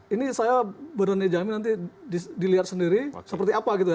ini saya benarnya jamin nanti dilihat sendiri seperti apa